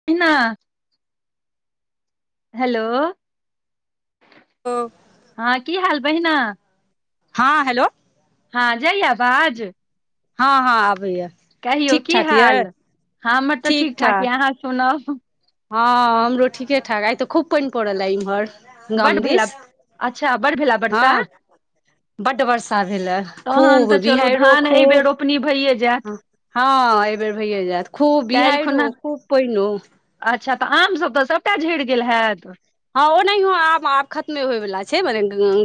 [unintelligible] Hello. हो। हँ, कि हाल बहिना? हँ, हेलो। हँ, जाइय अवाज? हँ, हँ, आबैया। कहियौ ठीक कि ठाक हाल, यऽ हमर तऽ ठीक ठाक यऽ अहाँ सुनब हँ, हमरो ठीके ठाक आइ तऽ खूब पाइन पड़ल ह इम्हर बड्ड गमदी भेला सँ अच्छा बड्ड भेला वर्षा हँ बड़ वर्षा भेललै तहन खूब तऽ चलू बिहारो धान एहि खूब बेर रोपनी भइए जायत हँ, एहि बेर भैय जात खूब काल्हि खुना बिहारो खूब पहिनो अच्छा, तऽ आम सभ तऽ सभटा झड़ि गेल हैत। हँ, ओनाहियो आब खतमे होयवला छै मने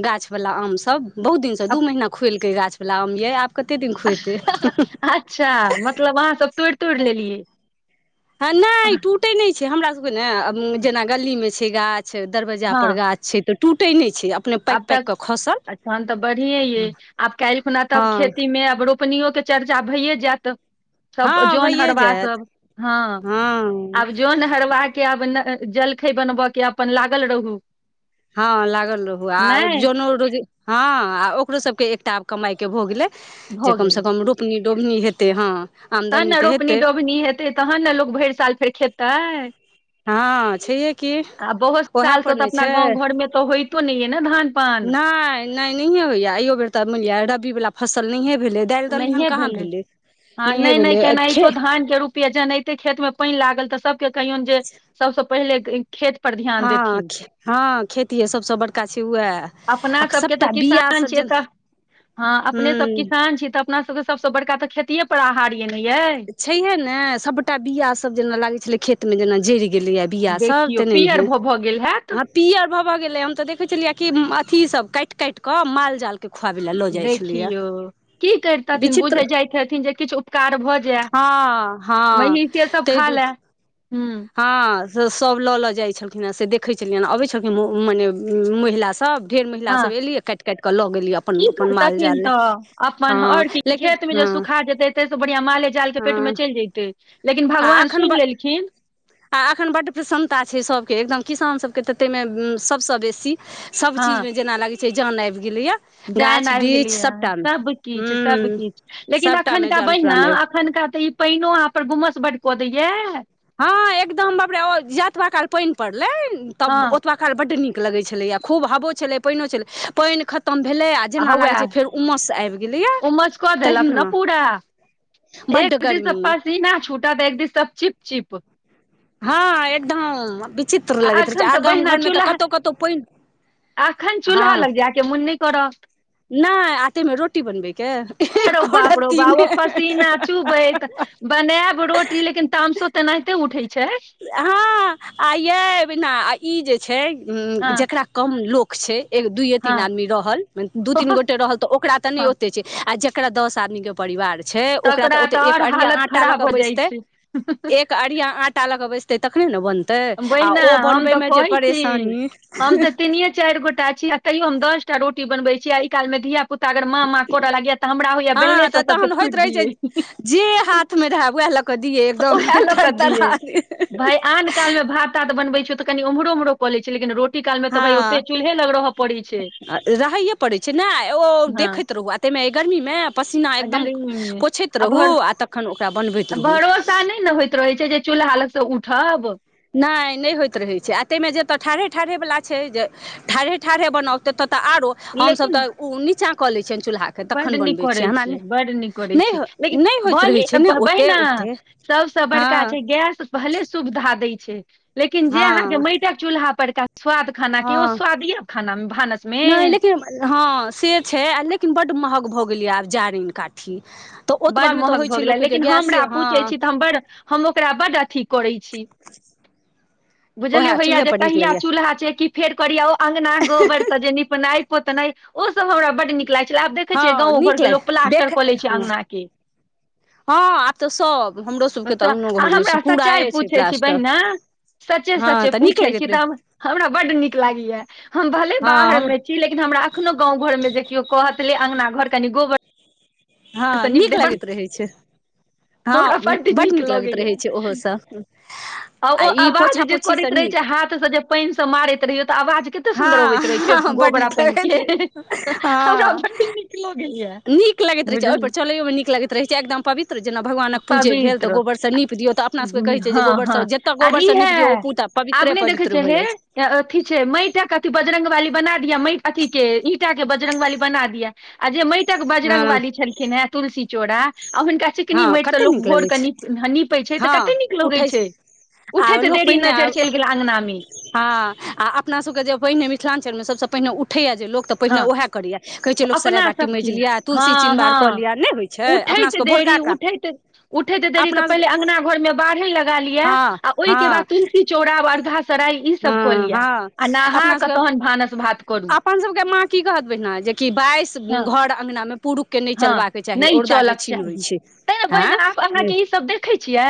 गाछ वाला आम सभ बहुत दिनसँ, दू अब। महना खोलिकै गाछ वला आम अइ आब। कते दिन खुएते अच्छा, मतलब अहाँ सभ तोड़ि तोड़ि लेलियै नहि टूटे नहि छै, हमरा सभके ने जेना गली मे छै गाछ दरवजा हँ पर गाछ छै, तऽ टूटै नै छै। अपने पाकि आब तऽ पाकि कऽ खसल अच्छा तऽ बढ़िए ये आब कलखुना हँ तब खेती मे आब रोप अपनो के चर्चा भइए जायत सभ हँ जैन भइए हरबा जायत सभ हँ हँ आब जन हरवा के आब जलखै बनबेके अपन लागल रहू हँ, लागल रहु आ नहि जनो रोज हँ, आ ओकरो सभके एकटा आब कमाई के भ गेले जे भऽ कमसे गेलै कम रोपनी डोभनी हेतै, हँ। तहन आमदनी ने तऽ रोपनी हेतै डोभनी हेतै, तखन ने लोक भारी साल फेर खेतै हँ, छै हे कि आ बहुत ओह सालसँ पर तऽ नहि अपना छै। गाँव घरमे तऽ होइतो नहि यै ने धानपान नहि नहि नहिये होया एयो बेर तऽ मानि लिअ रबी वाला फसल नहिय भेले नहि भेलै हँ नहि नहि भेलै खे केनाहितो धानके रूप जनाहिते खेतमे पाइन लागल तऽ सभके कहियौन जे सभसँ पहिले खेत पर ध्यान हँ, देथिन हँ खेती य सभसँ बड़का छै उह सभ के तऽ किसान छिय तऽ हँ अपने सभ हूँ किसान छीय तऽ अपना सभ के सभसँ बड़का तऽ खेती पर आहार एने ये छैहे ने सभटा बिया सभ जेना लागे छले खेत मे जेना जड़ गेले बिआ सभ देखियौ तऽ नहि पीयर हैं भऽ भऽ गेल हैत आ। पियर भव गेले हम ते देखे छलियिया की अथि सभ काट काटके माल जाल के देखियौ कि कर्थिन विचित्र बुझै जाइत हथिन जे किछु उपकार भऽ हँ हँ मही से सभ ताहि खा दु ले ह हँ से सभ ले जाय छलखिन हे से देखे छलिय ह अबे छलखिन मने महिला सभ। सभ ढेर महिलास सभ हँ एलिय काटि काटि कऽ लऽ गेली अपन की अपन माल करतथिन जाल लऽ तऽ अपन हँ। आओर की लेकिन खेतमे ज हँ सुखा जेतै तै सँ बढ़िया माले जाल के पेट मे हँ चलि जतै आ एखन आ एखन बड प्रसन्नता छै, सभके एकदम किसान सभके तऽ ताहिमे सभसँ बेसी सभ चीज मे जेना लागे छै जान आबि गेले या जयन आबि गेलिय ह, सभकिछु हूँ सभकिछु लेकिन सभटामे एखुनका जान बहिना प्राण आबि एखुनका तऽ ई। पानो अहाँ पर घुमसँ बड कऽ दैया हँ एकदम बापड़े जतबा काल पइन पड़ले हँ तब ओतबा ल बड्ड नीक लगै छलैए खूब हवो छलै पइनो छलै पइन खतम भेलै आ जेना लागय छय फेर उमस आइब गेल य उमस कऽ देलक तहिना बड गर्मी सप्पा सीना छुटत एक दीस स चिप चिप हँ एकदम विचित्र लगैत रहै छै एखन आ तऽ गाम घरमे तऽ कतहु कतहु पइन अखन चूल्हा लग जायके मोन नय करत नय आ तयमें रोटी बनबैके आरो एको बाप रौ रति नय बनैब रोटी लेकिन तामसो तेनाहिते उठै छै हँ आ यै बना ई जे छै हँ जकरा कम लोक छै दूयए तीन हँ आदमी रहल दू तीन गोटे रहल तऽ ओकरा तऽ नय हँ ते छै आ जेकरा दस आदमीे के परिवार छै ओकरा तऽ तकरा ओते आओर एक अढ़िया हालत आटा लऽ खराब हो केऽ जाइ बैसतै छै एक अढ़िया आ टा ल क बैसतै तखने ने बन्द बहिना हम तऽ कहै छी परेशानी हम तऽ तीनए चारि गोटा छी तइयो हम दसटा रोटी बनबै छी आइ कालमे धिया पुता अगर माँ माँ करऽ लागय य तऽ हमरा होइया बेलेने हँ तऽ स सबके तहन थुइड़ होइत रहै छै दियै जे हाथ मे रहै उएह लऽ कऽ दिय एकदम उएह लऽ तर कऽ दियै तरा दियइ भाय आन काल मे भात तात बनबै छ तऽ कनि ओम्रोमहोऽ क लय छै लेकिन रोट हँ छै रहैए पड़ै छै न अ ओ हँ देखैत रहू तइमे अइ गर्मीमे पसीना आ एकदम गर्मी मे पोछैत रहू आ तखन ओकरा बनबैत रहू सा नइ ने होइत रहे छै जे चूल्हा लग से उठब नाय नई होइत रहै छै आ तहिमे जेतय ठाढ़े ठाढ़ेवला छै जे ठाढ़े ठाढ़े बनाउ ततऽ तऽ आरो हमसभ तऽ ओ नीचाँ क ल छियनि चूलहा के बड नीक करैत छीयै बड नीक करैत नहि छीयै लेकिन नहि होइत रहै बहि छै ने तऽ ओते बहिना ओते सबसँ बड़का हँ छै गैस भले सुविधा दय छय लेकिन जे आहा के हँ मइतक चुल्हा पर का स्वाद खाना के ओ हँ स्वाद ह अ खाना मे भानस मे नहि लेकिन हँ से छै आ लेकिन बड्ड महग भऽ गेलैए आब जारनि काठी तऽ बड्ड ओतबामे तऽ महग होइ भऽ छै गेलै लोकके जे लेकिन हमरा गैसे हँ पूछैत छी तऽ हम बड हम ओकरा बड्ड अथी करैत छी बुझलियौ उएह होइया जे चूल्हेपर नीक कहिया लगैए चूल्हा छै कि फेर करिया ओ अंगना गोबर सब जे नीपनाइ पोतना ओ सब हमरा बड नीक लाग प आब देखे छियै हँ गाँव घर नीक के ल लाग लोक प्लास्टर देख कऽ ले छै हँ अङंगना के हँ आब तऽ सभ हमरो सभके तऽ अङ्गनो आ घरमे हमरा सच्चाइ पूराए छै पूछै छी प्लास्टर बहिना सचे हँ सचे तऽ नीक पूछे छी लगैत रहै तऽ हमरा बड नीक लागैया हम भले हँ बाहर हम मे लेकिन हमरा अखनो गां घर में जे केओ कहत ले अंगगना घर कनि गोबर हँ से नीप नीक दे लगैत रहै छै हँ हमरा बड्ड बड नीक लगैत लगैया रहै छै ओहो सब आ ओ ई आवाज पोछा जे पोछ करैत रहै छै हाथ से जे पाइन स मारैत रहियौ तऽ आवाज के कते सुन्दर अबैत रहे छै हँ बड्ड गोबरा नीक पानि लगैत रहै के हमरा हँ बड नीक लगेया नीक लैत छैहि पर चलैोमे नीक लैत छै एकदम पवित्र जेना भगवानक पूजे भेल तऽ पवित्र गोबरसँ नीप दियौ तऽ अपना सबके कहै छै जे हँ गोबर सब हँ जतय आर गोबर सब न इहे निप दियौ ओ पूता आब पवित्रे नहि देखै पवित्र हो हे जाइ छै अथी छै मइटक अथि बजरंग वाली बना दिया मइट अथी के ईंटा के बजरंग वाली बना दिया आ जे मइटक बजरंग हँ वाली छलखिन हेँ तुलसी चोड़ा आ हुनका चिकनी हँ माटिसँ कते लोक नीक लगै छै भोरकेप नीपै छै तऽ हँ कते नीक लगै उठै छै आब उठैत लोक देरी पहिने आब नजर चलि गेल अङ्गनामे हँ आ अपना सभके जे पहिने मिथिलाञचलमे सभसँ पहिने उठैया जे लोक तऽ पहिने हँ ओएह करैय कहै छै लोक सराय अपना बाटी सबके मजि लि तुलसी हँ चिनबार कऽ हँ लिया नहि होइ छै अपना उठैत सबके देरी भोरका काज उठैत उठैत देरी तऽ अपना पहिले सबके अङंगना घर मे बाढ़ेन लगा लियै हँ आ ओहिके बाद हँ तुलसी चौरा अर्धा सराय ई सब कऽ हँ लियअ हँ आ नहा अपना कऽ सबके तहन भानस भात करू बैएस हँ घर अना पुरुख हँ नहि चलक चाही छै तैं बहिने आँ आब अहाँके ईसभ देखै छियै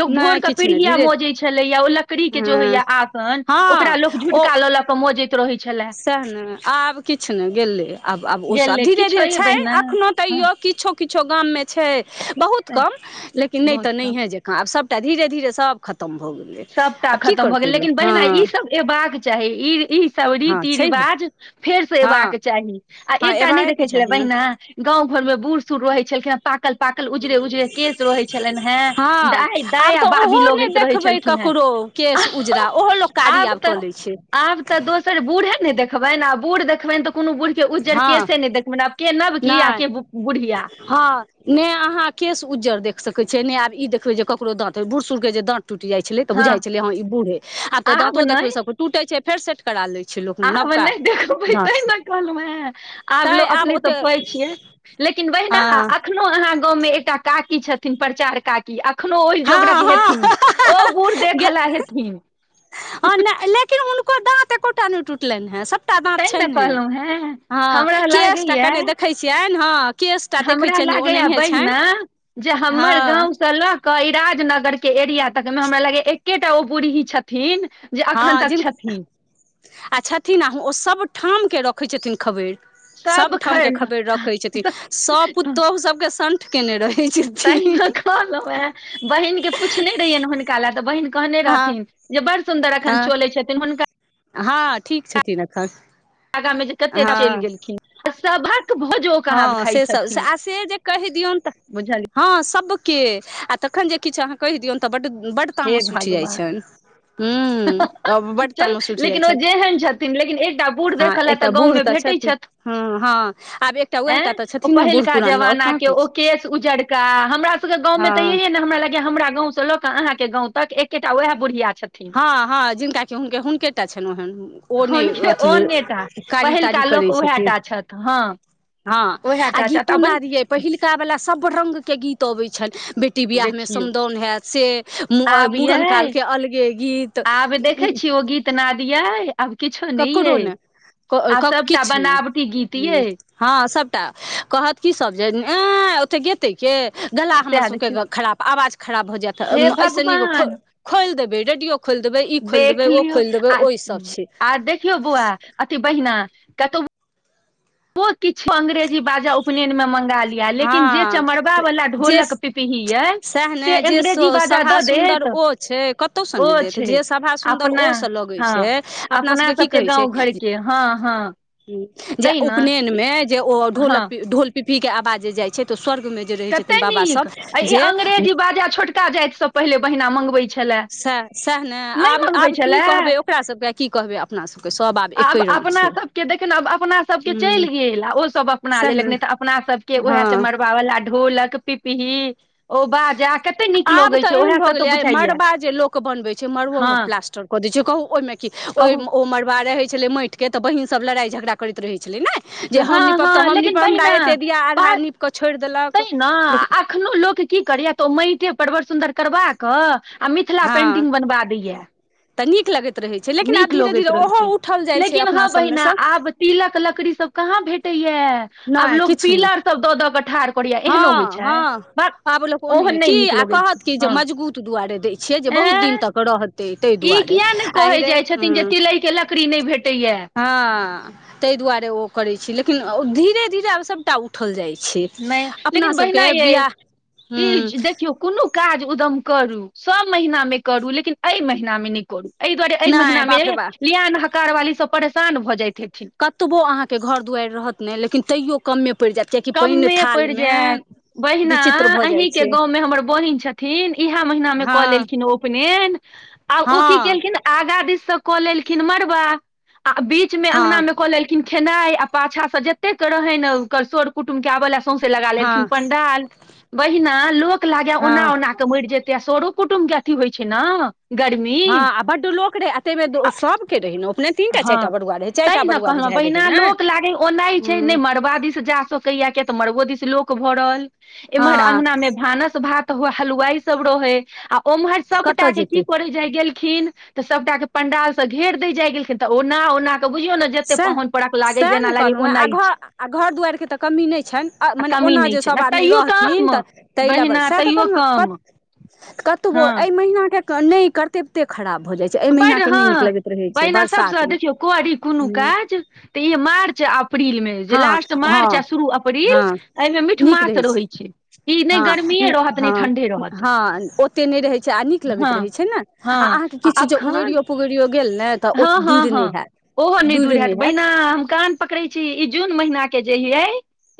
लोक भोर नहि क किछु नहि पीढ़िया धीरे मजै छलैया ओल कड़ी के जे हँ होइया आगन ओकरा हँ लोक झुटका लऽ ल मौजैत रहे छले स‌एह ने आब किछु ने गेलै आब आब ओ सब गेल धीरे किछु धीरे होइये छै बहिना अखनो हँ तैयो किछो किछो गाममे छै बहुत कम लेकिन न तऽ बहुत कम नहिये जेतै आब सबटा धीरे धीरे सब खतम भऽ गेलै सभटा आब की खतम भऽ गेल करतै लोक लेकिन बहिना हँ ईसभ अयबाक चाही ई ई सब हँ रीति छैहे रिवाज फेरसँ अयबाक हँ चाही आ हँ एकटा नहि एबाएके देखै छलै चाही ने बहिना गाँव घरमे बूढ़ सुढ़ रहै छलखिन हैं पाकल पाकल उजरे उजरे केश रहै छलनि हें हँ दाइ दाइ आ बाबी लगैत रहै छल करो केश उजरा ओहो लोक कारी आब कऽ लै छै आब तऽ दोसर बूढ़े नै देखबनि आ बूढ़ देखबनि तऽ कोनो बूढ़ के उज्जर हँ केस नै देखबैन आब के नब की आ नहि के बुढ़िया हँ ने अहां केस उज्जर देख सके छिय ने आब ई देखबे जे केकरो दांत ह बूढ़ सूढ़ के जे दांत टूटि जाइ छलै त हँ बुझा छलैँ ई बूढ़यै आब तऽ दाँतो देखबै सब टूटे छै फेर से करा लै छै लोक नबका दाँत के कहलुं हैं आब लोक अपने सब कहै ओतेक छियै लेकिन बहिना हँ अख अखनो अहाँ गाँवमे एकटा काकी छथिन प्रचार काकी अखनो ओहि हँ जोगरक हेथिन हँ ओ बुढ़ देखला हेथिन ह न लेकिन हुनको दाँत एकोटा नहि टूटलनि हैं सब टा तैं दाँत ने छैन्हे कहलहुँ हेँ हँ हमरा केश टा लागैया कनि देखै छियैन हं हमरा लागैया बहिना जे हमर हँ गाँव स लऽ क ई राजनगर के एरिया तक मे हमरा लगैया एकेटा ओ बूढ़ी छथिन जे अखन हँ तक जिनका छथिन आ छथिन आ ओ सभ ठामके रखैत छथिन खबैर सब सबठाम के खबर रखै छथिन सब पुतोहु सबके संठ केने रहै छथिन ताहि ना कहलहुँ हैं बहिन के पुछने रहियैनि हुनका लए तऽ बहिन कहने हँ रहथिन जे बड़ सुन्दर अखन हँ चलै छथिन हुनका हँ ठीक छथिन अखन आगा मे जे कते चलि गेलखिन आ सब भक भ हँ से सब स आ से जे कहि दियौन त बुझलियै हँ सब के आ तखन जे किछु अहाँ कहि दियौन तऽ बड्ड बड्ड हे तामस उठि जाइत भगवान छनि हू आब बड्ड चल तामस उठि जाइ लेकिन ओ छनि जेहन छथिन लेकिन एकटा बूढ़ हँ देखऽ लए एकटा बूढ़ गाँवमे तऽ छथिन हू हँ आब एकटा ऐं उएहटा तऽ ओ छथिन ने बूढ़ पहिलका पुरान मे आओर जमाना कहाँ के कोइ ओ छै केश उजरका हमरा सबके गाँवमे तऽ हँ एहेन हमरा लागैया हमरा गाँव से ल क अहां के गाँव तक एकेटा वएह बुढ़िया छथिन हँ हँ जिनका कि हुन हुनकेटा छनि ओहेन ओ नहि हुनके अथी ओहने टा कारी तारी पहिलका लोक करै उएह छथिन टा छथि हँ हँ उएह आ टा छथि गीतो बहिन नादि यै पहिलका बला सब रंगके गीत अबै छनि बेटी बियाहमे देखियौ समदाउन हैयत से मु अ आब मूड़न काल यै के अलगे गीत आब देखै छियै ओ गीत नादि यै आब किछो नहि यै आब सबटा किछु नहि बनावटी गीत यै ह हँ सभटा कहत की सब जे ऐ ओते गे तै केँ गला हमर सएह देखियौ सबके खराब आवाज खराब भऽ जायत हे ऐसे नीक खो भगवान खोलि देबै रेडियो खोलि देबै ई खोलि देख देबै ओ लियौ खोलि देबै आ ओहिसभ छै आ देखियौ बौआ अथि बहिना कतौ केतबो किछु अंग्रेजी बाजा उपनयन मे मंगा लिया लेकिन जे हँ चमरबा वाला जे ढोलक पिपही यै सएह से ने जे अंग्रेजी सो बाजा सभा दऽ सुन्दर देत ओ छै कतहुसँ ओ नहि देत छै जे सभा सुंदर अपना ओ सँ लगै हँ छै अपना सबके की कहै छै गाँव घर के हँ हँ जे तै ने उपनयन मे जे ओ हँ ढ़ोलक पी ढ़ोल पिपही के आवाज जे जाइ छै तऽ स्वर्ग मे कते नीक आ ई अंग्रेजी बाजा छोटका जाति सब पहिले बहिना मंगबै छलए सैह सैह नऽ नहि आब मंगबै आब की छलए कहबै ओकरा सब कऽ आ की कहबै अपनासभ आब अपना सबके देखे ने आब अपना सबके हूँ चलि गेल आ ओसभ अपना सएह लेलक ने नहि तऽ अपना सब केँ ओहे हँ चमरबा वालला ढोलक पिपही ओ बाजा केत आब तऽ एहन भऽ गेलै मड़बा जे लोक बनबे छै मड़बो हँ कऽ प्लास्टर कऽ दै छै कहू ओहिमे की ओहि कहू ओ मड़बा रहै छलै माटिके तऽ बहिनसभ लड़ाइ झगड़ा करैत रहै छलै नै जे हँ हम नीपब हँ तऽ हम लेकिन नीपब हमरा बहिना एते दआ पा आधा नीप कऽ छोड़ि देलक लेकिन अखनो लोक की करै यऽ तऽ ओ मयटे पर वर सुन्दर करबा कऽ आ मिथिला हँ पेंटिंग बनवा दै यऽ तऽ नीक लगैत रहैत छै लेकिन आब धीरे धीरे रहै ओहो उठल जाइत छै अपना सभमे सँ तीलक लकड़ी सब कहाँ भेटै यऽ आब नहि लोग किछु नहि पीलर सब द द कऽ ठाढ़ करैया एहनो होइ हँ छै हँ बा आब लोक ओनैह ओहन नहि की नीक आ लगै छै कहत की जे हँ मजगूत दुआरे दैय छियै जे ए बहुत दिन तक रहत तै तहि ई दुआरे किया ने कहै आहिरे जाइ हूँ छथिन जे तिलै के लकड़ी नहि भेटैया हँ ताहि दुआरे ओ करै छी लेकिन ओ धीरे धीरे आब सभटा उठल जाइ छै नहि अपना लेकिन बहिना सभके यै बियाह हूँ ई देख यौ कोनो काज उदम करू सब महिना मे करू लेकिन एहि महिना मे नै करू एहि दुआरे एहि नहि महिनामे बाप रे बा लिआन हकार वाली सब परेशान भऽ जाइत हेथिन कतबो अहाँ के घर दुआरि रहत ने लेकिन तैयो कमे पड़ि जायत कियकि पानि कममे पड़ि थालमे जायत बहिना विचित्र भऽ जाइ अहीकेँ छै गाँवमे हमर बहिन छथिन इहै महिनामे हँ कऽ लेलखिन उपनैन आ ओ की हँ केलखिन आगा दिस सँ कऽ लेलखिन मड़बा आ बीच मे अंगना हँ मे कऽ लेलखिन खेनाइ आ पाछा से जतेक रहैन ओकर सर कुटुम केँ आबय लऽ सउसै लगा लेलखिन हँ पंडाल बहिना लोक लागे ओना हँ ओना तऽ मरि जेतै आ सरो कुटुमब केँ अथी होइ छै नऽ गर्मी हँ आ बड्ड लोक रहे आ ताहिमे तो आ सब के रहे नऽ उपनैन तीन टा चारि टा बरुआ रहै चारि तैय टा नऽ बरुआ कहलहुँ बुझाइ रहै बहिना ने लोक लागे ओनाइ छै नहि हँ मरब दीस जा ताकैय य किया तऽ मरबो दिस लोक भरल एम्हर हँ अगना मे भानस भात तऽ हलुवाई सब रहै आ ओम्हर सभटा कतऽ केँ की जेतै करै जाय गैल खिन तऽ सबटा केँ पंडाल सँ घेर दैय जाय गेलखिन तऽ ओना ओना केँ बुझियौ नऽ जते सएह पहुन पड़ख लागे सएह जेना ने लागै कहलहुँ हेँ आ ओनाई घर छै आ घर दुआर केँ तऽ कमी नहि छनि आ मने कमी ओना नहि जे छै सभ ने आदमी तैयो रहथिन कम तऽ ताहि लऽ बड बहिना सैह तऽ तैयो कहलहुँ कम कत कतबो हँ एहि महीना केँ नहि करतेते खराब भऽ जाइ छै एहि महिना बड केँ नहि नीक हँ लगैत रहे छै पहिने बरसात सभसँ मे देखियौ करी कोनो काज त ई मार्च आ अप्रील मे जे हँ लास्ट मार्च आ हँ शुरू हँ अप्रील एहिमे मीठ मास रहै छै ई नहि हँ गर्मी रहत नहि हँ ठण्ढे रहत हँ ओते नाए रहै छै आ नीक लगैत हँ रहै छै ने आ हँ अहाँके किछु जे अखन उगरियो पुगरियो गेल ने तऽ ओ हँ दूर नहि होयैत दुर नहि हैयत आं हम कान पकड़ै छी ई जून महिना के जे हय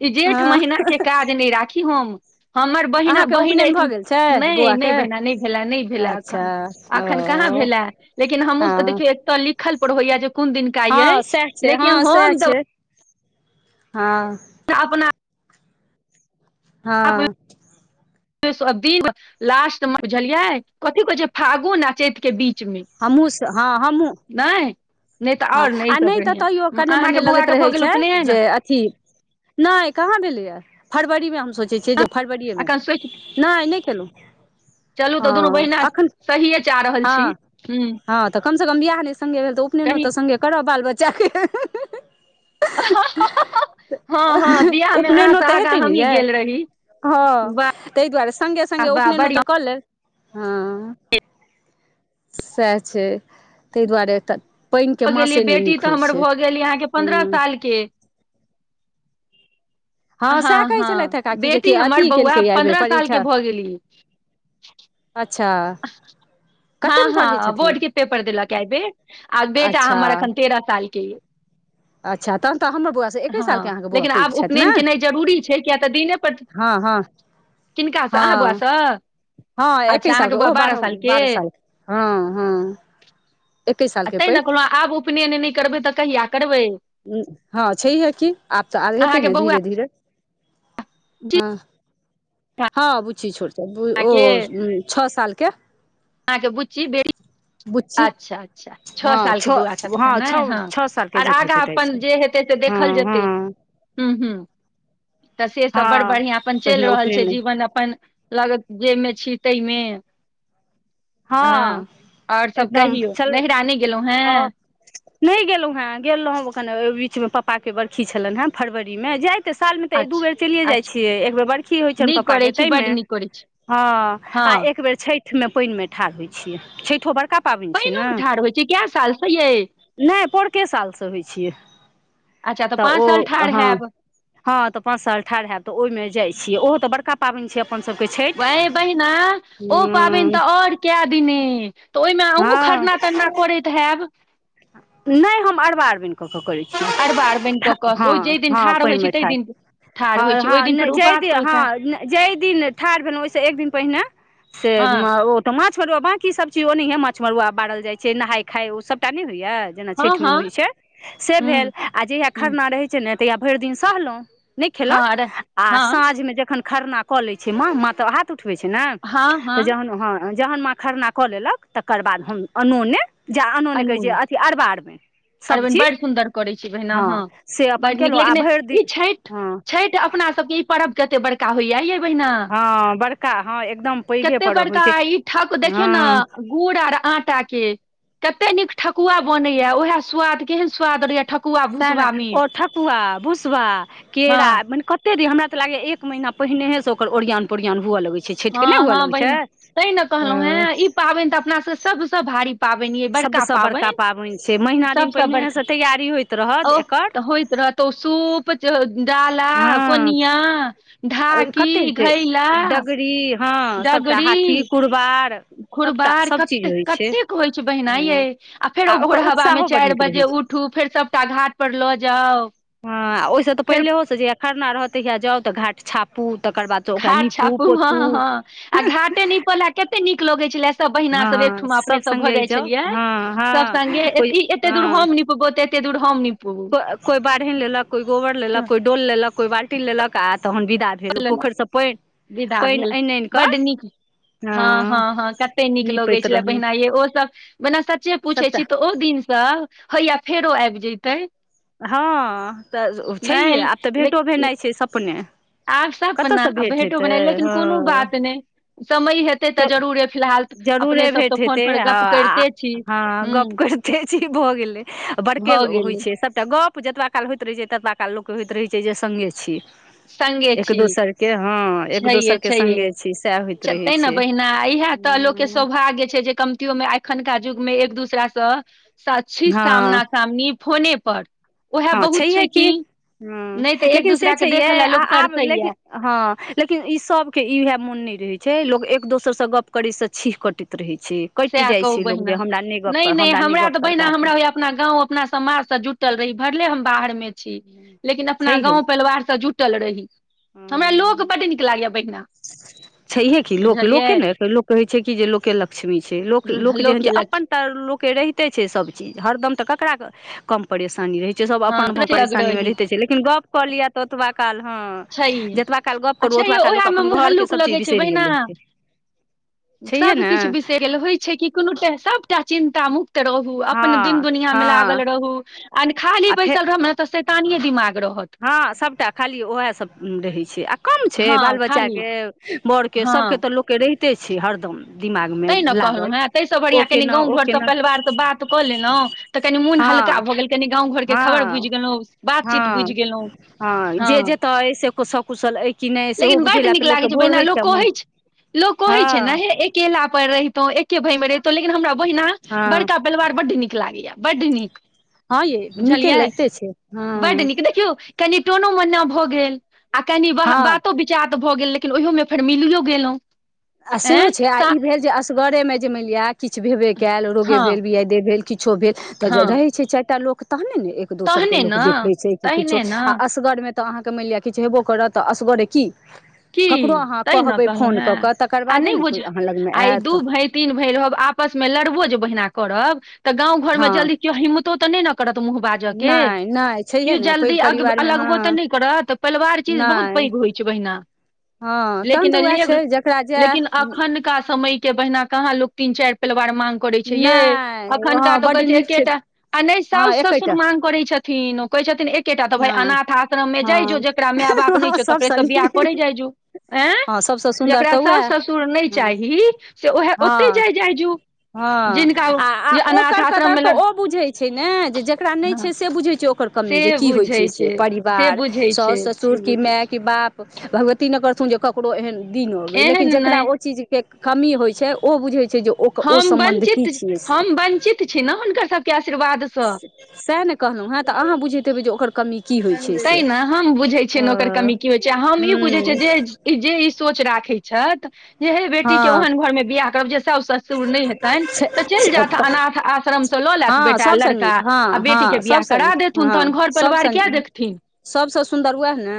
ई जेठ हँ महिना के काज नहि राखी हम हमर बहिन अहाँके बहिन उपनयन एहिठ भऽ गेल छै नहि नहि बौआके बहिना नहि भेले नहि भेला अच्छा एखन एखन कहाँ ओ भेलै लेकिन हमहुँ हँ देखियौ एत लिखल पर होया जे कोन दिन हँ सैह छै हँ सैह छै [inaudible] हँ तऽ अपना हँ [inaudible] सब दिन लास्ट मे बुझलियै कथी कहै छै फागुन अ चैत के बीच में हमहूँ स हँ हमहूँ नहि नहि तऽ हँ, आओर ई आ सब नहि तऽ बढ़ियां तैयो कने अहाँके मने बौआ लगैत के भऽ रहैत गेल छै उपनयन जे ठीक नहि कहाँ भेलैयऽ फरवरी में हम सोचै छियै जे फरवरी में अखन सोचि नहि नहि [inaudible] केलहुँ चलू तऽ दुनू हाँ बहिना एखन सहिए चा रहल छी हाँ हूँ हाँ तऽ कम से कम बियाह नहि संगे भेल तऽ उपनेन कही करब बाल बच्चा के [unintelligible] हाँ हाँ वियाह में अहाँ सँ आगाँ हमही गेल रही हाँ तहि दुआरें संघे वाह संघे वाह उपनयन तऽ बढ़िया कऽ लेब हाँ [inaudible] सेह छै ताहि दुआरे पानिके भऽ गेलिय मासे नहि बेटी नीक तऽ होइ हमर छै भऽ गेल अहाँ के पन्द्रह हँ साल के हाँ हँ सेह कहै हँ छलथि हे जे कि बेटी हमर अथी बौआ केलकै ए बे पन्द्रह साल के परीक्षा [inaudible] भऽ गेली अच्छ [unintelligible] हँ हँ बोर्ड केते देलक एहि बेर आ बेटा हमर अखन तेरह साल के यै अच्छ तहन तऽ हमर बौआ से एके हँ सालके अहाँके बौआ लेकिन पैघ आब छथि ने उपनयन केनाइ जरूरी छै किया हँ हँ किनका अहा हँ बुआसँ हँ एकहि साल के ओहो बारहम बारह के साल हाँ हुम एके साल आ के तैँ ने पैघ कहलहुँ आब उपनैन नहि करबै तऽ कहिया करबै हाँ छैहे की आब तऽ आब हेतै अहाँके ने बौआ धीरे धीरे [inaudible] ह हाँ बुच्ची छोट ओ अहाँके छः साल के अहाँ के बुच्ची बुच्ची अच्छा अच्छा छः हँ साल के छओ बौआ अखन हँ ने छओ हाँ छओ साल आ के जेठे आगा छोटाइ अपन छै जे हेतै से हँ देखल जेतै हँ हु हु तऽ से सब बड़ हँ बढ़िआँ अपन चलि पहिने रहल छै उपनयन जीवन अपन लागत जे में छी ते में हाँ आओर सब एकदम कहियौ नैहरा नहि गेलहुँ हेँ [unintelligible] नहि गेलहुँ हे गेल रहौ ओखने ओहि बीच में पप्पा के बर्खी छलनि हे फरवरी में जाइत तऽ साल में तऽ एक दू बेर चलिए अच्छा जाइ अच्छा छियै एक बेर बर्खी होई छैन नीक पप्पा करै के छी ताही बड्ड में नीक करै छी हाँ हँ आ एक बेर छठ में पाइन में ठाढ़ होइत छियै छैठो बड़का पाबयन छै ने पानिओमे ठाढ़ होइ छी कए सालसँ यै [inaudible] नहि पोरके साल सँ होई छियै अच्छा तऽ पाँच ओ साल ठाढ़ हाँ हैब हाँ तऽ पाँच साल ठाढ़ हयैत तऽ ओहि मे जाई छियै ओहो तऽ बड़का पाबनि छै अपन सभ के छै भे बहिना ओ पाबनि तऽ और कए दिने तऽ ओहि मे अहूँ हँ खरना तरना करैत हेब। नहि हम अरबा अरबैन कऽ के करैत छी अरबा अरबैन कऽ कऽ ह, ओ जाहि दिन ह, ठाढ़ होइ पाइन छी मे ताहि ठाढ़ दिन ह, ठाढ़ होइ छी ह ओहि दिन फेर जाहि उपवास दिन करैत हैब हाँ जाहि दिन ठाढ़ भेलहुँ ओहिसँ एक दिन पहिने। से हँ मे ओ। तऽ माछ मरुआ बाकी सभ चीज ओ नहियै माछ मरुआ बारल जाइ छै, नहाय खाय ओ सभटा नहि होइया। जेना हँ छठि मे हँ होई छै, से हूँ भेल आ जहिया हूँ खरना रहैत छै, ने तहिया भरि दिन सहलहुँ नहि खेलहुँ हँ अरे आ हँ साँझ मे जखन खरना कऽ लैत छै। माँ माँ तऽ हैत। हाथ उठबै छै, ने हँ तऽ हँ जहन जहन माँ खरना कऽ लेल कऽ तकर बाद हम अनूने जा अनू ने कहै छीए अथि अरबा अरबै। अरबन बड़ सुन्दर करै छी, बहिन अहाँ से बड़ अपन निक केलहुँ आ लेकिन भरि दिन ई हँ छठि। अपना सभके ई पर कते बड़का होइया य हँ बड़का हँ एकदम पैघे कते पर्व होइ बड़का छै ई थाक देखियौ ने। हँ गुड़ आर आटाके कते निक ठकुआ बनैया उएह स्वाद केहन स्वाद रहैया ठकुआ। सेहे ने भुसबा मे ओ ठकुआ भुसबा हँ केरा मने हेगे हमरा तऽ लागे या एक महीना पहिने से ओकर ओरियान पोरियान हुअ लगे छै। छठिके नहि हँ हुअ हँ लगै छै बहिना ते ने कहलहुँ अ हे ई पाबनि तऽ अपना सभ सभसँ भारी पाबनि या बरका सबसँ बड़का पाबनि छै महिना दिन सभसे बड़का पहिनेहेसँ तैयारी होइत पबनि रहत अह एकर त होइत रहत। तो सूत। डाला हँ कोनिया ढाकी घैला। री हँ सभटा हाथी कुरबार। सभटा कुरबार सभ चीज कते होइ छै कतेक होइ छै, बहिना यै। आ फेर ओ ओकर भोर हवामे उत्साहो बड्ड चारि नीक रहै बजे छै उठू फेर सभटा घाट पर लऽ जाउ। हँ, ओहिस तऽ फेर पहिलेहो से जहिया खरना रहत ताहिया जाउ तऽ घाट छाप। घाट छापू हँ, हँ, आ घाटे नीपल कते निक लगै छले सभ बहिना हँ सभ एकठुमा अपने सब सभ भऽ संगे जाय जाउ छलियै हँ सभ हँ संगे कोइ एते दूर हम निपबौ एतेक दूर हम निपब कोई बाढ़न लेलक कोई गोबड़ लेल कऽ कोई डोल लेलकऽ कोई बाल्टी लेल कऽ आ तहन विदा फेर पोखरसँ पाइन पाइन अनि अनि कऽ। हाँ, हँ हाँ, हाँ, कते नीक लगे नीपैत छले रहलहुँ बहिना ये ओ सभ मने सच्चे मुछे छी सभटा त ओ, दिनसँ हैया फेरो आबि जइतै हँ, तऽ छै हे नहि आब तऽ भेटो लेकिन भेनाइ छै सपने आब अपना कतयसँ भेँट भेटो हेतै बने लेकिन कोनो हँ बात नहि समय हेतै तऽ जरूरे फिलहाल। तऽ अपने जरूरे सब तऽ भेट फोन हेते, पर गप करिते छी हँ गप हूँ करिते छी भऽ गेलै बड़के भऽ होइ गेलै छै सभ। एकटा गप जतबा काल होइत रहै छै, तबा काल लोकके होइत रहै छै जे संघे छी। संगे एक छी दोसरके हँ एक छैहे दोसरके छैहे संघे छी सएह होइत रहै तैं ने छै। बहिना इएह तऽ लोक के हँ सौभाग्य छै, जे कमतोमे। एखन कऽ युगमे एक दूसरा से सक्षी हँ सामना सामनी फोने पर। उएह हँ बहुत छैहे छै, की कि नहि तऽ एक दूसरा कऽ देख अहाँ आब लेकिन। हँ, लेकिन ई सभ के इएह मोन नहि रहे छै लोग एक दोसर से गप करे से छीह कटैत रहे छै। कटि सएह जाइ कहू छै, लोग जे बहिना हमरा नहि गप कर हमरा नहि गप तऽ बहिना करबाक अहि। हमरा होइया अपना गाँंव अपना समाज से जुटल रही भरले हम बाहर मे लेकिन अपना छै गाँव परिवारसँ जुटल रही हमरा हे लोक बड नीक लगैए ऐ भैना छैहे की लोक लोक के ने लोक कहै छै कि जे लोक लग लक्ष्मी छै लोक लोक जेहन छै लोकके लग अपन तऽ लोकके रहिते छै सबचीज हरदम तऽ ककरा कम परेशानी रहैत छै सब हँ अपन अपन लग परेशानीमे रही रहिते छै लेकिन गप कऽ लिअऽ ततबा काल ह छैहे जतबा काल गप करू अच्छा ओतबा यौ काल ओएहमे अपन मुँह घरके हल्लुक सभ चीज लगैछै बिसरि बहिना गेल हेतै छैहे सब ने किछ होइ छै कि कोनो सबटा चिन्ता मुुक्त रह दिन हँ दुनिया मे हँ लागल रहू आ खाली आ फेर बैसल रह ने तऽ शैतानिये दिमाग रहत हँ सबटा खाली ओएह सब रहै छै आ कम छै बाल हँ खाली बच्चाके बड़ के हँ सबके तऽ लोकके रहिते छै हरदम दिमागमे तैं ने लागल कहलहुँ हें ताहिसँ ओ बढ़िया कनि केना गाँव ओ घरसँ प केना परिवारसँ बात कऽ लेलहुॅँ तऽ कनि मन हल्का हँ भ गेल कनि गाम घर के ख़बर हँ वुझ गलौ बातचित बुझ हँ गेलौ हँ जे जेतै से सकुशल अइ कि नहि सेहो लेकिन बुझै बड्ड लए नीक तऽ लोकके लागैत छै भोर बहिना होइ लोक मोन कहै छै लोक कहै छै ने हँ हे एक एकेला पर रहितो एके भाय मे रहितों लेकिन हमरा बहिना हँ बड़का परिवार बड्ड नीक लागैया बड्ड नीक हँ यै नीके बुझलियै लगिते छै हँ बड नीक देखियौ कनि टोनो मन्ना भऽ गेल आ कनि बातो हँ बात त भऽ गेल लेकिन ओहियो मे फेर मिलियो गेलहुँ आ सेहो एँ छै आ सा ई भेल जे असगरेमे जे मानि लिअ किछ भेबे कयल रोगे हँ भेल बियदे भेल किछो भेल तऽ हँ रहै छै चारि टा लोक तहने ने एक दोसरके तहने ने लोक देखै छै कि किछो तहने ने आ असगर मे तऽ अहाँके मानि लिअ किछु हेबो करत त असगरे की की ककरो अहाँ तै ने कहबै कहलहुँ फोन कऽ हेँ कऽ तकर बादे ने कोइ अहाँ लगमे आयत है दिन भरि हम आपसमे लड़बो जे बहिना करब तऽ गाँव घरमे हँ जल्दी किओ हिम्मतो तो तऽ नय न करत मुँह बाज जके नहि नहि छैहे केओ ने पैघ जल्दी अग परिवारमे अलगबो तऽ हँ नहि करत परिवार चीज बहुत नहि पैघ होइ छै बहिना हँ तहन लेकिन तऽ उएह छै लेब जकरा जे लेकिन अखनका समय के बहिना कहाँ लोक तीन चारि परिवार मान करै छै यै नहि अखनका हँ तऽ ओ बड्ड कहै छै नीक एकेटा आ नहि हँ साउस ससुर एकेटा मान ंग करै छथिन ओ कहै छथिन एकेटा तऽ भाय नहि अनाथ आश्रममे जाइ जो हँ जकरा माय बाप नहि छौ सभसँ तकरेसँ बियाह नीक जा जो हँ सभसँ सुन्दर जेकरा तऽ साास उएह ससुर नय चाही से उएह ओतइ हँ जाइ जाइ जो हँ आ ओकर कदर मे तऽ लग ओ बुझैत छै ने जे जकरा नइ हँ छै से बुझै छै ओकर कमी से जे की होइ बुझै छै से से परिवार बुझै छै साउस ससुर से की बुझै माय कि बाप भगवती ने करथुन जे ककरो एहन दिन छै अबै एहन लेकिन जेकरा नहि ओ चीज के कमी होइ छै ओ बुझै छै जे ओ ओ हम सम्बन्ध की वंचित छियै से हम वंचित छी ने हुनकर सबके आशीर्वाद स‌एह न कहलहुँ हैं तऽ अहाँ बुझैत हेबै जे ओकर कमी की होइ छै तै से न हम बुझैत छियै न ओकर हँ कमी की होइ छै आ हम ई बुझै छियै हूँ जे ई जे ई सोच राखै छथि जे हे बेटी के हँ ओहन घर मे बियाह करब जे साउस ससु सुर नहि हेतनि छै तऽ चलि जायथ तऽ अनाथ आश्रम से लऽ लैथ हँ बेटा सभसँ लड़का नीक हँ आ बेटी हँ के बियाह सभसँ करा नीक देत थुन हँ तहन घर सभसँ परिवार के नीक सभसँ सुन्दर उएह ने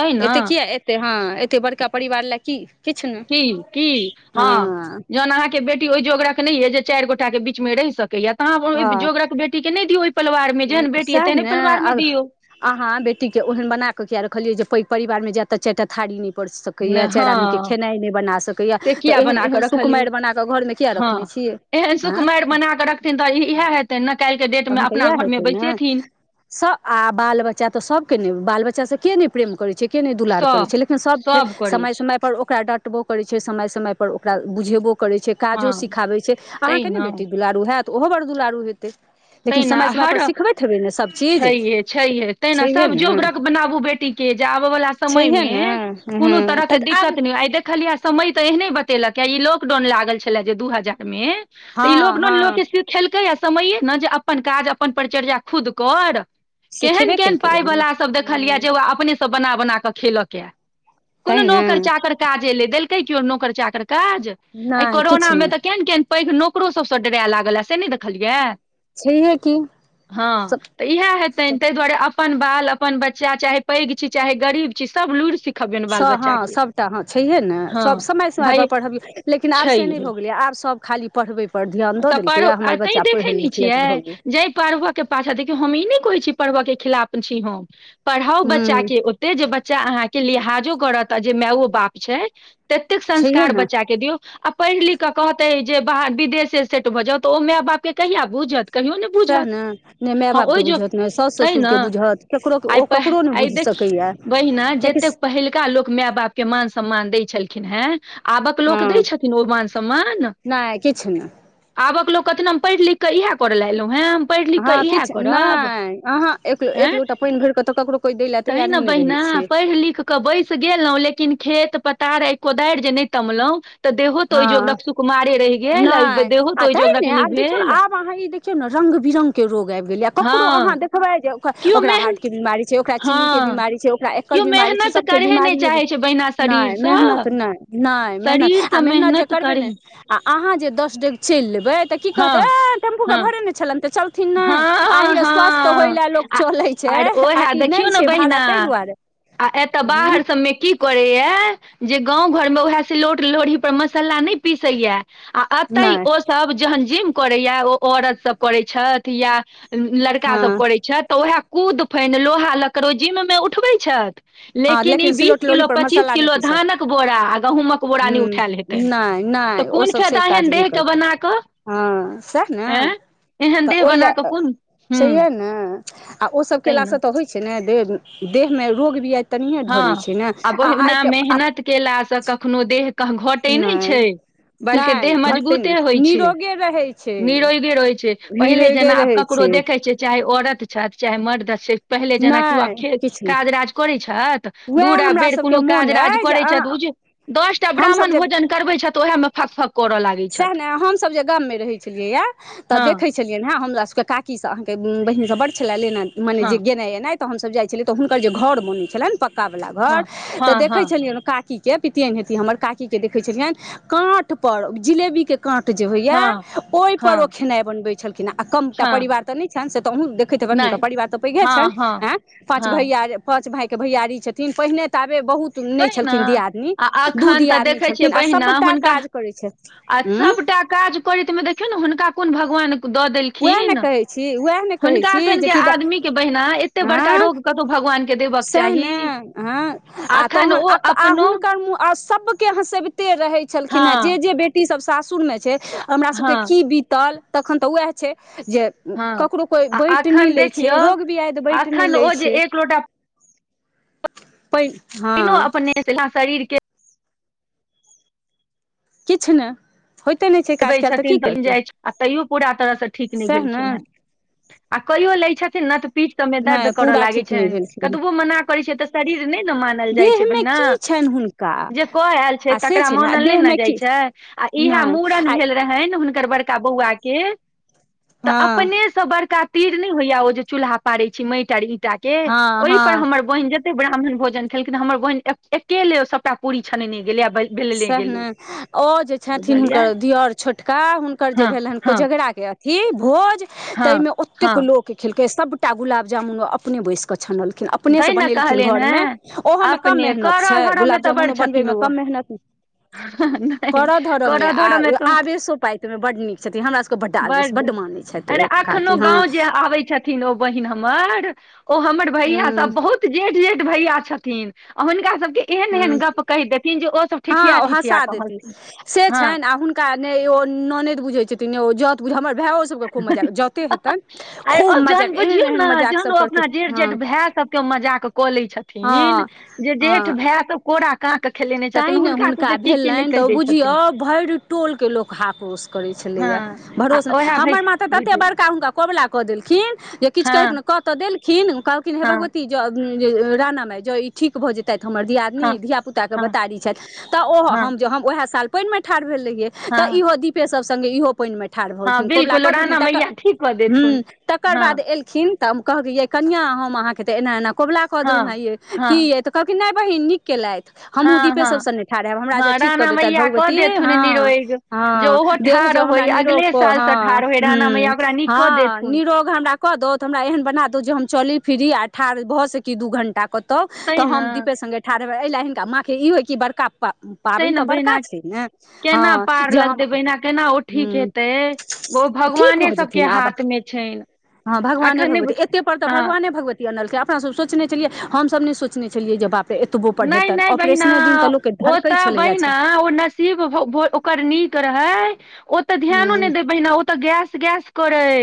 तै ने एते किया एतै हँ एते बड़का परिवार लए की किछु ने की की हँ जहन अहाँके बेटी ओहि जोगरक नै यै जे चैर गोटा के बीच मे रहि सकैया त अहाँ ओहि हँ जोगरक बेटी के नहि दियौ ओहि परिवार मे जेहन बेटी यै सएह तेहने ने परिवार मे दियौ अहाँ बेटी के ओहन बना कऽ किया रखलियै जे पैघ परिवार मे जाय त चाईटा थारी पड़ि ने। सकैया चाईर हँ आदमीके खेनाइ नय बना सकैया से तऽ किया एहन बना कऽ एहन रखलियै सुकुमारि बनाकऽ घरमे किया रखने हँ छियै एहन आँय सुकुमैर बनाकऽ रखथिन तऽ इएह हेतै न काल्हि के डेट अपना घरमे बैसेथिन स आ बाल बच्चा तऽ सबके ने बाल बच्चा स के नहि प्रेम करैत छै के नहि दुलार करै सभ छै लेकिन सब फेर सभ करै समय छै समय पर ओकरा डट टबो करै छै समय समय पर ओकरा बुझेबो करै छै हँ काजो सिखाबै छै तै अहाँके नै ने बेटी दुलारू हैत ओहो बड दुलारू हेतै लेकिन तेहिना समय आ समयपर हर सिखबैत हेबै ने सभ चीज छैेहे छैहे तेहिना छैहे सब ने जोगरक बनाबू बेटी टी के जे आबय वाला समय छैहे ने मे कोनो हँ तरह के तऽ आब दिक्कत नै आइ देखलिया समय तऽ एहने बतेलका ऐ ई लॉकडाउन लागल छलै जे दू हजार मे तऽ हँ ई लॉकडाउन हँ लोक सके खेलकैया समये न जे अपन काज अपन परिचर्जा खुद कर केहन सिखेबे केहन केलकैए ने पाइवला सभ देखलिय जे ओ अपने स बना बना कऽ खेलकए तैँ कोनो ने नौकर चाकर काज एलै देलकै केओ नौकर चाकर काज अइ नहि कोरोना किछु मे नहि तऽ केहन केहन पैघ नौकरो सबसँ डराय लागल या से नै देखलियै छैहे की हँ तऽ सभ इएहे हेतैन ताहि दुआरे अपन बाल अपन बच्चा चाहे पैग छी चाहे गरीब छी सब लुईरि सिख स हँ सभटा हँ छैहे ने हँ सभ समय समयपर भाय पढ़बियै लेकिन आब से नै छैहे भऽ गेलै आब सभ खाली पढ़बै पर ध्यान दऽ तऽ देलकैया हमर बच्चा पढ़ लिख लेत भऽ गेलै जय पढ़बऽ के पाछा देखियौ हम ई नै कहै छी पढ़बऽ के खिलाफ छी हम पढ़ाउ बच्चा हूँ के तै जे बच्चा अहाँके लिहाजो करत आ जे मायो बाप छै ततेक छैहे संस्कार ने बच्चा के दियौ आ पढ़ लिख क कहतै जे विदेश सेट भ जाउ त ओं माय बाप के कहीया बूझत कहियो ने सएह बुझत ने माय हँ बापके ओहि जो बुझत ने साउस तहि ने ससुरके बुझत ककरो आइ ओ प ककरो नहि आइ बुझि देखिय सकैए बहिना कियाकि जतेक पहिल का लोक माय बाप के मान सम्मान दै छलखिन हेँ आबक लोक दै छथिन ओ मान सम्मान नाय किछ नाय आबक लोक कतिन पढ़ि लिख क इह कर ल एलहुँ है हँ किछु नहि अह एक लोटा पानि भर क त ककरो कोई दै लए तैयारे कहिन नहि रहै बहिना छै पढ़ लिख के बैस गेलहु लेकिन खेत पथार आ कोदैर जे नै तमलौ त देहो तो ओहि हँ जोगरक सुकुमारे रहि गेल नहि देहो आ तोइ तै जोगरक ने नहि आब देखियौ ने भेल आब अहाँ ई देखियौ न रंग बिरंगके रोग आबि गेलैए ककरो अहाँ हँ देखबै जे ओक केओ ओकरा मेहन हाड के बीमारी छै ओकरा चीनी के हँ बीमारी छै ओकरा एकर केओ बीमारी छै मेहनत सबके करहे नहि बीमारीये चाहे छै बहिना नई शरीरसँ मेहनत नय नय मेहनत आ शरीरसँ मेहनत जे करबै करे ने आ अहाँ जे दस डेग चैल लेबै तऽ की कहत हँ ऐं टेम्पू के हँ भरे नहि छलनि त चल थिन नय हँ आहिरे स्वस्थ होय हँ लए लोक आ चलै छै आर आ ओहे कि देखियौ नय ने छै भारा बहिना ताहि दुआरे आ एतऽ हूँ, बाहर सभमे की करैया जे गाँव घरमे उएह सिलोट लोढ़ी पर मसाला नहि पीसैया आ अते नहि ओसभ जहन जिम करैया ओ औरत सब करै छथि या लड़का सब हँ करे छथि त उएह कुद फेन लोहा लकड़ो जिम में उठबे छथि हँ लेकिन ई बीस सिलौट किलो लोढ़ीपर पच्चीस मसाला नहि किलो पीसत धानक बोरा आ गहुँमक एक बोरा ने हूँ उठैल हेतइन नहि त नहि ओ कोन सब से फायदा एहन काज नहि देह के करतै बना क हँ सएह ने एहन देह बना ओइल्य कऽ कोन हूँ छहिये ने आ ओसब तै ने केलासँ त होए छै ने दे देह में रोग भी हँ आब ओहिना आ मेहनत केला सँ कखनो देह के घटै नय छै नहि बल्कि नहि देह घटतै मजबूते नहि होइ छै निरोगे रहै छै निरोइगे रहै छै पहिले निरोगे जेना आप रहै क करो छै देखै छिये चाहे औरत छथि चाहे मर्द छै पहिले जेनाकि आब नहि कियो खे किछु नहि काज राज करै छथि उएह दूर आ हमरा बेर सभके कोनो काज मोन राज अइ जे करै छथि अहाँ बुझ दस टा हमसभ ब्राह्मण जे भोजन करबै छथि आहे मे फक फक करल ला सएह ने हमसब जे गाम मे रहै छलियै य त हँ देखै छलियै हँ हमरा सबके काकी सब अहाँके बहिन सब बड छले ले मने हँ जे गेना एना हमसब जाइ छलियइ त हुनकर घर बन छलनि पका वला घर हँ त हँ देखै हँ छलिय काकी के पितियन हेती हमर काकी के देखे छलियन काँठ पर जिलेबी के काँट जे होइया हँ ओहि पर ओ हँ खेनाइ बनबे छलखिन आ कमटा हँ परिवार त नहि छनि से तहु देख [unintelligible] तनि हुनकर नहि परिवार त पैघे हँ छनि हँ एँय पाँच हँ भैया पाँच भैय के भैयारी छथिन पहिने ताबे बहुत नय तै ने छलखिन दियादनी आ दू अखन तऽ दियादमी देखै छियै छलखिन आ बहिना सबटा हुनका काज करै छल आ सभटा काज करैत मे देखियौ ने हुनका कोन भगवान द देल छी उएह ने न कहै छी उएह ने कहै हुनका छी सनके जेकि आदमीक के बहिना एते बड़का रोग भगवान के दे सेह ने ह आ अखन ओ तहन आ अपनो हुनकर मुह सभ के हँसबिते रहै छलखिन है जे हँ जे बेटी सब सासुर मे छै हमरा सभके हँ की बीतल तखन त वएह छै जे हँ ककरो कोइ आ बंइट अखन नय लै छै देखियौ रोग बियाइद बइंट अखन नह लै ओ जे छै एक लोटा पै हँ इतना शरीर के किछ नय होइत ते न छै अबै छथिन तऽ जाइ आ तैयो पूरा तरहसँ ठीक नय सएह ने भेलखिन हेँ आ कहियो लै छथिन न तऽ पीठ सबमे दर्द नहि करऽ पूरा लागै ठीक नहि छनि भेलखिन हेँ कतबो मना करै छियइ तऽ शरीर नइ ने मानल जाइ छै देहमे बहिना की छनि हुनका जे कऽ एल छै आ से तकरा मानल नइ ने देहमे जाइ की छै आ इहा नहि मूड़न आ भेल रहनि हुनकर बड़का बौआ के तऽ हँ अपनेसँ बड़का तीर नइ होइया ओ जे चूल्हा पारै छी माटि आर ईंटा के हँ ओहि पर हँ हमर बहिन जते ब्राह्मण भोजन खेलखिन हमर बहिन एकेेले सबटा पूरी छनेने गेलय आ बेलने सएह गेलै ने ओ जे छथिन बुझलियै हुनकर दियअर छोटका हुनकर जे हँ भेल हेन हँ कोजगराक के ही भोज हँ ते मे हँ ओतेक लोक खेलकै सबटा गुलाब जामुन अपने बैस के छानलखिन अपने तैं से ने बनेलखिन कहलियनि घर मे हेँ ओहोमे कम अपने मेहनत करऽ छै धरऽ गुलाब जामुनो बनबे मे कम मेहनत ह [inaudible] करय धरय मे आ आवेशो पाइ ओहिमे बड नीक छथिन हमरा सभके बड आवेश बड्ड बड मानैत छथि अरे ओ अखनो काकी हँ गांव जे आबे छथिन ओ बहिन हमर ओ हमर भैया हूँ सब बहुत जेठ जेठ भैया छथिन आ हुनका सबके एहन हूँ एहन गप कह देथिन जे ओ सभ हँ ठिठिया ओ ठिठिया कहलथिन हँ ना ओ ननद बुझे छथिन जत बुझ हमर भाय सब के खूब मज़ा आबे छै, जते हेते, आ ओ खूब मज़ा, जहन बुझियौ एहेन ने एहेन जहन ओ अपना जेठ जेठ मज़ [unintelligible] भाय सबके मजाक कऽ लै छथिन जे जेठ भाय तऽ कोरा काँक खेलेने छथिन ताहि ने सबके हुनका की की नहि भेलनि तऽ कहि ओ दै बुझियो छथिन भरि टोलके लोक हाड़ोस करैत छलै, हँ हैं आ भरोस नहि ओएह भै हमर माँ तऽ तते बुझियौ बड़का हुनका कबुला कऽ देलखिन जे किछु हँ कह तऽ देलखिन कहलखिन हे हँ भगवती राणा माइ जँ ई ठीक भऽ जेतथि हमर दियादनी हँ धिपुताके हँ बता हँ तऽ एह साल पानिमे ठाढ़ भेल रहियै तऽ हँ इहो दीपे सभ संगे इहो पानिमे ठार हो हँ गेलखिन, कोब्ला बिल्कुल कऽ राणा मैया देंखिन, ठीक कऽ हू, देथुन तकर हँ बाद अलखिन अलखिं तऽ कहलखिन कनिया एना एना कबुला कऽ हँ देनेल हँ हुँ कहलकिन नहि बहिन निक केलथि हमहूँ हँ दीपे हँ सभसँ नहि ठाढ़यब हमरा जे हँ ठीक कऽ राणा देत मैया कऽ भगवती देथुन हँ निरोग जे हँ ओहो देह ठाढ़ जो हमरा होय अगले निरोग साल से हँ, ठाढ़ होय राणा मैया ओकरा नीक कऽ हँ देथुन निरोग हमरा कऽ दऽ हमरा एहन बना दू जे हम चली फिरी आ ठाढ़ भऽ सकी दू घण्टा कतौ, तै तऽ ने हम दीपे संगेठा रहै एहि ल हिनका माई हय कि बड़का। तै पाबनि ने तऽ बड़का बहिना छै ने केना हँ जे पार हम लगतै बहिना केना ओ ठीक हूँ हेतै। ओ ठीक भगवाने भऽ जेथिन सभके आब हाथ मे छै हँ, भगवाने भगवती एते पड़तऽ भगवाने भगवती आनलकै अपना सभ सोचने छलियै हमसभ नहि सोचने छलियै जे बापे एतबो नहि पढ़ेतनि नहि बहिना ओ तऽ छै बहिना। ओ नसीब ओकर निक रहै ओ तऽ ध्यानो नहि हूँ देब बहि ओ। तऽ गैस गैस करै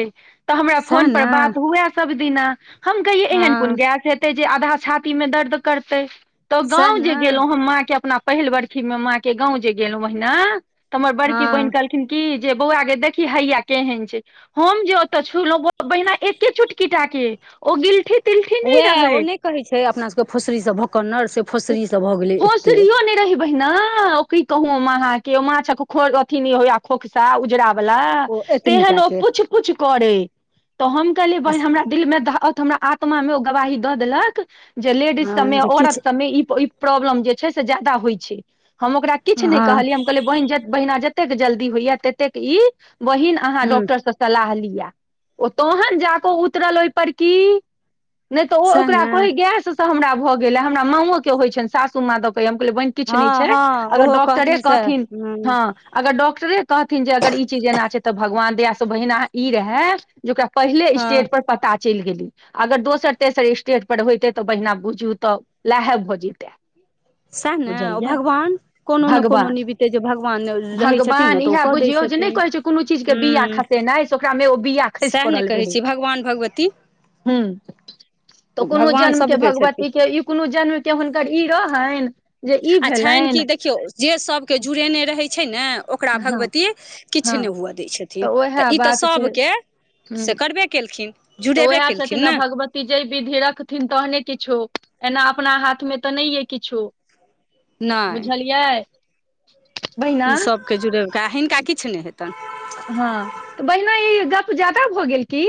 तऽ हमरा सएह फोन ने पर बात हुए सभ दिना। हम कहिये एहन कोन हँ गैस हेते, जे आधा छाती मे दर्द करतै तऽ सएह गाव ने जे गेलहुँ हम माँ के अपना पहिल बर्खीमे माँ के गाव जे गेलहुँ ओतय तऽ हमर बड़की बहिन हँ कहलखिन कि जे बौआ गे देखी हैया केहन छै। हम जे ओतऽ छुलहुँ बहिना एके चुटकीटाके ओ गिलठित वएह ओ नहि कहैत छै, अपना सभके फसरी सभ भौकनर से फसरी सभ भऽ गेलै एते बहिना ओकी कह अहाँकेँ माछक अथि नहि हो खोकखसा उजरा वला ओ तेहन एतनीटा ओ के पुछ पुछ करे तऽ हम कहलियै बहिन हमरा दिलमे तऽ हमरा आ मा मे ओ गवाही दऽ देलक जे लेडीज हँ सभमे जे किछु औरत मे ई, ई प्रोब्लेम जे छै, जादा होइ छै, हम ओकार किछ ने हँ कहलिये हम कह बहिन बहिना जतेक जल्दी होइया ततेक ई बहिन अहाँ हूँ डॉक्टर सँ सलाह लिया ओ तोहन जाकऽ उतरल ओहिपर कि नहि तऽ ओ सएह ओकरा ने कहै गैस सँ हमरा भऽ गेल ह हमरा माओ के होइ छनि सासू माँ दऽ के हम कहलियै ब किछु हँ नहि छै, हँ अगर ओहो डॉक्टरे सएह कहथिन हँ। अगर डॉक्टरे कहथिन जे अगर ई चीज एना छै, तऽ भगवान दयास सँ बहिना ई रहै जेकरा पहिले हँ स्टेज पर पता चलि गेली, अगर दोसर तेसर स्टेट पर होइते तऽ बहिना बुझू त। लहब भऽ जतै सएह ने ओ भगवान कोनो ने कोनो भगवान निमितिते जे भगवान रहैत छथिन भगवान ने तऽ ओ इएह कऽ दैत बुझियौ जे नहि छथिन कहै कोनो चीज मे बिआ हूँ खसे नहि ओकरामे ओ बआ खसि सएह ने पड़ल कहै रहै छी भगवान भगवती हू, तऽ कोनो भगवान जन्मके सभके छथिन भगवती के युत कोनो जन्मके हुनकर ई रहनि जे ई आ छनि भेलनि कि देखियौ जे सबके जुड़ेने रहै छै ने ओकरा हँ भगवती किछ हँ नहि हुअ दै छथिन उएह तऽ ई तऽ बात छै सभ केँ ह से करबे कयेलखिन तऽ उएह छथिन आ भगवती जैय विधि रखथिन तहने किछु एना अपना हाथ मे तऽ नहि ये किछु नहि बुझलियै बहिना ई सभके जुड़लकेँ हिनका किछ नहि हेतैन हँ तऽ बहिना ई गप जादा भऽ गेल की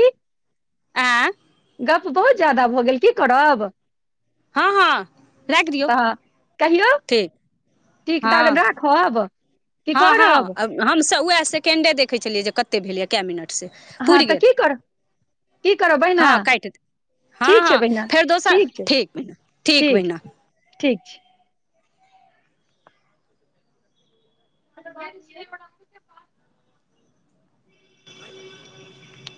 आँय गप बहुत ज्यादा भऽ गेल की करब हँ हँ राखि दियौ तऽ कहियौ ठीक ठीक हँ ताबे राख खब हँ हँ हमसभ वैह सेकेंडे देखै छलियै जे कते भेलै कैय मिनट से हँ पुरि तऽ गेल की करब की करब बहिना हँ काटि हँ ठीक छै हँ बहिना फेर दोसर ठीक छै बहिना ठीक बहिना ठीक छै [inaudible] [inaudible]